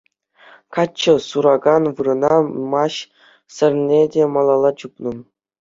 Каччӑ суракан вырӑна маҫ сӗрнӗ те малалла чупнӑ.